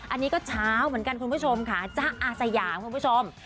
อันนี้ก็เช้าเหมือนกันคุณผู้ชมค่ะจ๊ะอาสยามคุณผู้ชม